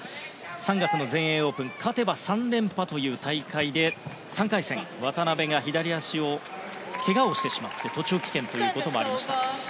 ３月の全英オープン勝てば３連覇という大会で３回戦、渡辺が左足を怪我をしてしまって途中棄権ということもありました。